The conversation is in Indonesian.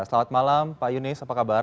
selamat malam pak yunis apa kabar